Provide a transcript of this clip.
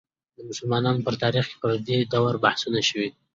د مسلمانانو په تاریخ کې پر دې دورو بحثونه شوي.